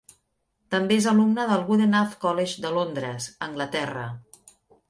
També és alumna del Goodenough College de Londres, Anglaterra.